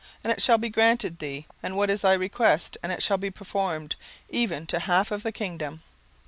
and it shall be granted thee: and what is thy request? and it shall be performed, even to the half of the kingdom.